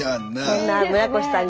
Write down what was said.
そんな村越さん